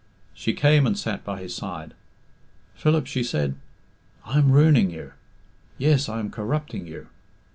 She came and sat by his side. "Philip," she said, "I am ruining you. Yes, I am corrupting you.